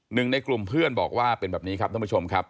หนึ่งในกลุ่มเพื่อนบอกว่าเป็นแบบนี้ครับท่านผู้ชมครับ